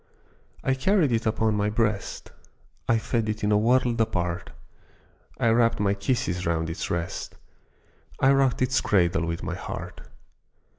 I carried it upon my breast, I fed it in a world apart, I wrapped my kisses round its rest, I rocked its cradle with my heart.